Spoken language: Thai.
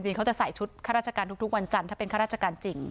เขาจะใส่ชุดข้าราชการทุกวันจันทร์ถ้าเป็นข้าราชการจริง